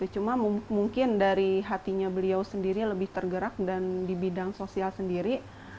cuma mungkin dari hatinya beliau sendiri lebih tergerak dan di bidang sosial sendiri